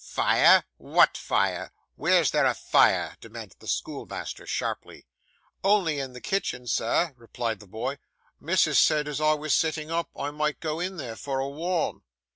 'Fire! what fire? Where's there a fire?' demanded the schoolmaster, sharply. 'Only in the kitchen, sir,' replied the boy. 'Missus said as I was sitting up, I might go in there for a warm.